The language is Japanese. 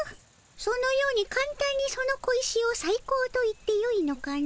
そのようにかんたんにその小石をさい高と言ってよいのかの？